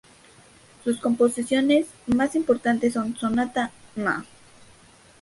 Sus composiciones más importantes son: Sonata No.